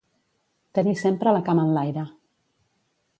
Tenir sempre la cama enlaire.